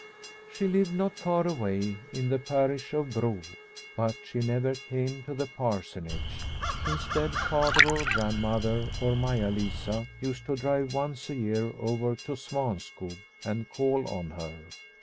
She lived not far away, in the parish of Bro, but she never came to the Parsonage. Instead, Father or Grandmother or Maia Lisa used to drive once a year over to Svanskog and call on her.